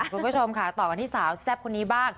คุณผู้ชมค่ะต่อกันที่สาวแซ่บคนนี้บ้าง